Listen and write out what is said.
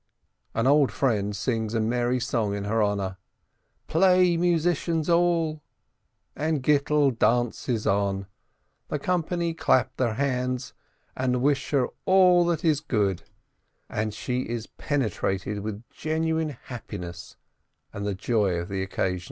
An old friend sings a merry song in her honor. "Play, musicians all !" And Gittel dances on, the company clap their hands, and wish her all that A GLOOMY WEDDING 105 is good, and she is penetrated with genuine happiness and the joy of the occasion.